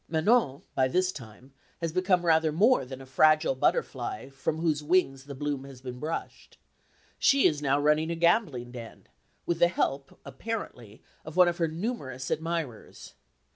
Manon by this time has become rather more than a fragile butterfly from whose wings the bloom has been brushed. She is now running a gambling den, with the help, apparently, of one of her numerous admirers.